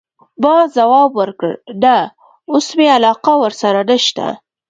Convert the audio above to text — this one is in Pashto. ما ځواب ورکړ: نه، اوس مي علاقه ورسره نشته.